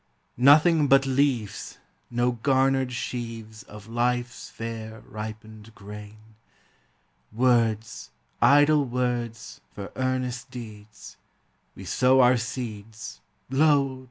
Nothing but leaves; no garnered sheaves Of life's fair, ripened grain; Words, idle words, for earnest deeds; We sow our seeds, — lo!